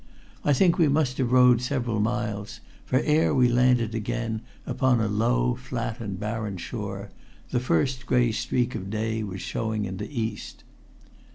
I think we must have rowed several miles, for ere we landed again, upon a low, flat and barren shore, the first gray streak of day was showing in the east.